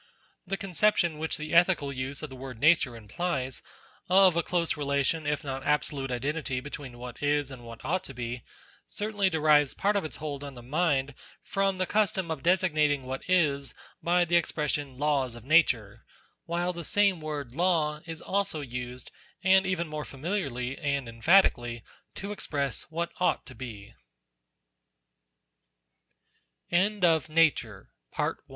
The conception which the ethical use of the word Nature implies, of a close rela tion if not absolute identity between what is and what ought to be, certainly derives part of its hold on the mind from the custom of designating what is, by the expression " laws of nature," while the same word Law is also used, and even more familiarly and em phatically, to expr